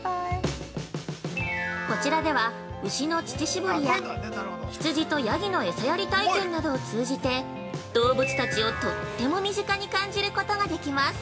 ◆こちらでは牛の乳搾りや羊とヤギの餌やり体験等を通じて動物たちをとっても身近に感じることができます。